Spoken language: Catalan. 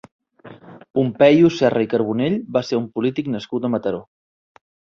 Pompeyo Serra i Carbonell va ser un polític nascut a Mataró.